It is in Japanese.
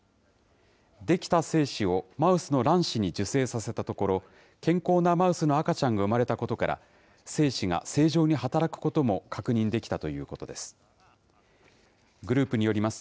出来た精子をマウスの卵子に受精させたところ、健康なマウスの赤ちゃんが産まれたことから、精子が正常に働くことも確認できたということです。